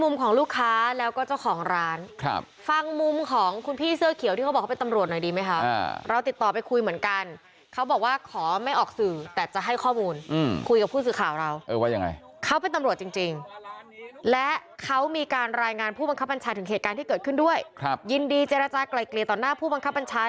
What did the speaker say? มันก็เข้าใจเขาครับแต่คนเรามันอยู่ใกล้กันแค่นั้นเองครับ